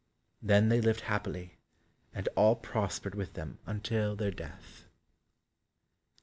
Then they lived happily, and all prospered with them until their death.